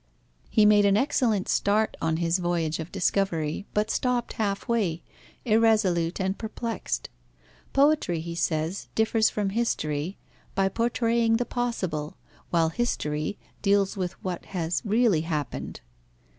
He made an excellent start on his voyage of discovery, but stopped half way, irresolute and perplexed. Poetry, he says, differs from history, by portraying the possible, while history deals with what has really happened.